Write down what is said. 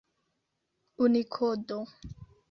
unikodo